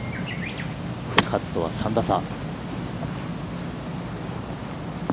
勝とは３打差。